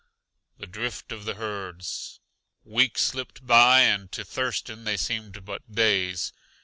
THE DRIFT OF THE HERDS Weeks slipped by, and to Thurston they seemed but days.